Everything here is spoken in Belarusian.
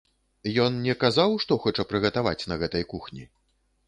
Ён не казаў што хоча прыгатаваць на гэтай кухні?